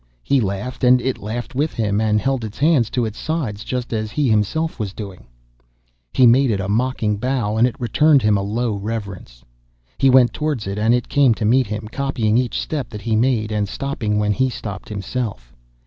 He laughed, and it laughed with him, and held its hands to its sides, just as he himself was doing. He made it a mocking bow, and it returned him a low reverence. He went towards it, and it came to meet him, copying each step that he made, and stopping when he stopped himself.